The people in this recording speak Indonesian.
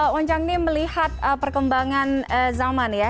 hojangnim melihat perkembangan zaman ya